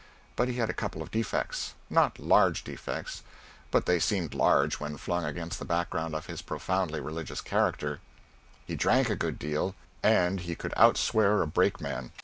But he had a couple of defects not large defects, but they seemed large when flung against the background of his profoundly religious character: he drank a good deal, and he could outswear a brakeman.